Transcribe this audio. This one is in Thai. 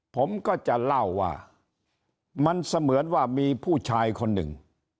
ผมก็จะเล่าว่ามันเสมือนว่ามีผู้ชายคนหนึ่ง